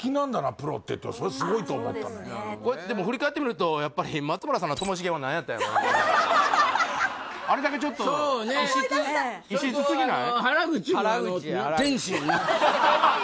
プロってそれはすごいと思ったねでも振り返ってみると松村さんのともしげは何やったんやろうあれだけちょっと異質過ぎない？